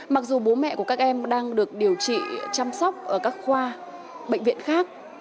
mặc dù bố mẹ của các em đang được điều trị chăm sóc ở các khoa bệnh viện khác